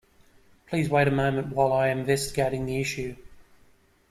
Please wait a moment while I am investigating the issue.